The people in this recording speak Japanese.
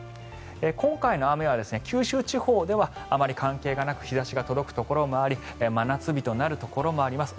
今回の雨は九州地方ではあまり関係がなく日差しが届くところもあり真夏日になるところもあります。